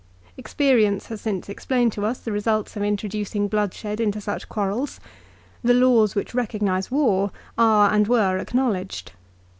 Experience has since explained to us the results of introducing bloodshed into such quarrels. The laws which recognise war are and were acknowledged.